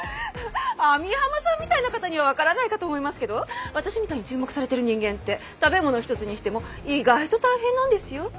網浜さんみたいな方には分からないかと思いますけど私みたいに注目されてる人間って食べ物一つにしても意外と大変なんですよ。